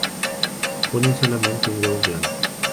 Ponen solamente un huevo blanco.